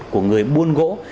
của người buôn gỗ